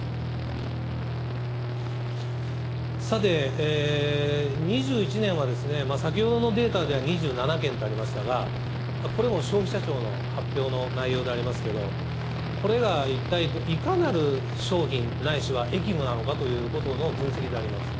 さて、２１年は先ほどのデータでは２７件とありましたが、これも消費者庁の発表の内容でありますけれども、これが一体、いかなる商品ないしは役務なのかということの分析であります。